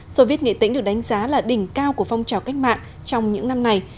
soviet nghệ tĩnh được đánh giá là đỉnh cao của phong trào cách mạng trong những năm này